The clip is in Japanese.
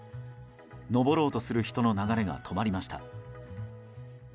上ろうとする人の流れが止まりました。